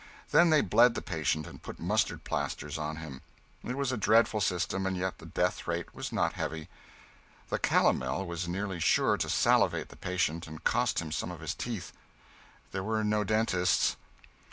Then they bled the patient, and put mustard plasters on him. It was a dreadful system, and yet the death rate was not heavy. The calomel was nearly sure to salivate the patient and cost him some of his teeth. There were no dentists.